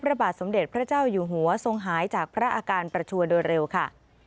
พระบาทสมเด็จพระเจ้าอยู่หัวทรงหายจากพระอาการประชวนโดยเร็วค่ะ